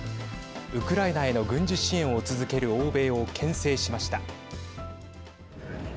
ウクライナへの軍事支援を続ける欧米をけん制しました。